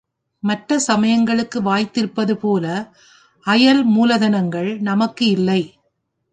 மற்ற சமயங்களுக்கு வாய்த்திருப்பது போல, அயல் மூலதனங்கள் நமக்கு இல்லை.